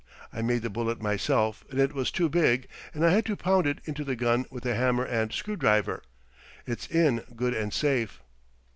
I made the bullet myself and it was too big, and I had to pound it into the gun with a hammer and screw driver. It's in good and safe."